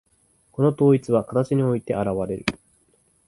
この統一は形において現われる。